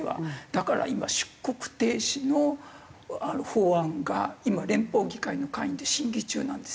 だから今出国停止の法案が今連邦議会の会議で審議中なんですよ。